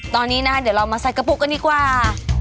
ตอนนี้นะเดี๋ยวเรามาใส่กระปุกกันดีกว่า